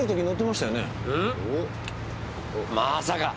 まさか。